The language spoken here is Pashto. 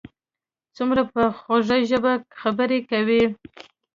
څومره په خوږه ژبه خبرې کوي.